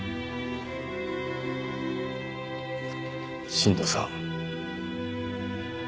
新道さん。